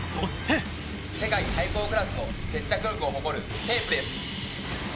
世界最高クラスの接着力を誇るテープです